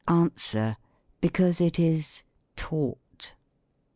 Because it is taught.